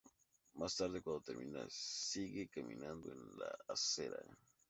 Más tarde cuando termina, sigue caminando en la acera.